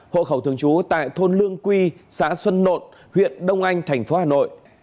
hộ khẩu thường trú tại thôn lương quy xã xuân nộn huyện đông anh thành phố hà nội